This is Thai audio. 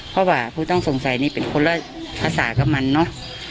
เพราะว่าผู้ต้องสงสัยนี่เป็นคนละภาษากับมันเนอะ